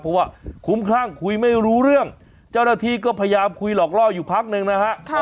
เพราะว่าคุ้มคลั่งคุยไม่รู้เรื่องเจ้าหน้าที่ก็พยายามคุยหลอกล่ออยู่พักหนึ่งนะฮะ